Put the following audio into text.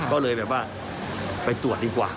ก็เลยแบบว่าไปตรวจดีกว่า